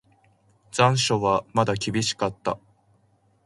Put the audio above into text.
残暑はまだ厳しかった。